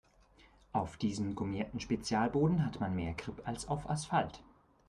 Auf diesem gummierten Spezialboden hat man mehr Grip als auf Asphalt.